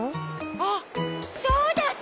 あっそうだった！